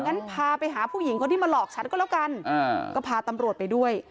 งั้นพาไปหาผู้หญิงคนที่มาหลอกฉันก็แล้วกันก็พาตำรวจไปด้วย